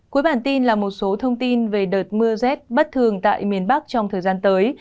cuối bản tin là một số thông tin về đợt mưa rét bất thường tại miền bắc trong thời gian tới